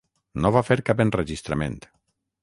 No va fer cap enregistrament.